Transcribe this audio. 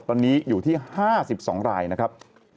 ตอนนี้อยู่ที่๕๒รายนะครับ